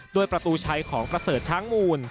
ด้วยประตูชัยของประเสริฐช้างมูล